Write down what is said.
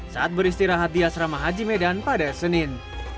saat beristirahat di asrama haji medan pada senin